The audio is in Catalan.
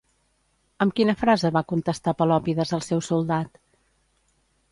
Amb quina frase va contestar Pelòpides al seu soldat?